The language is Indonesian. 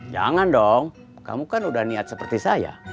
jangan dong kamu kan udah niat seperti saya